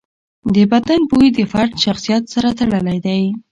د بدن بوی د فرد شخصیت سره تړلی دی.